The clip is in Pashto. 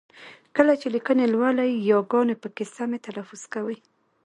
کله چې لیکني لولئ ی ګاني پکې سمې تلفظ کوئ!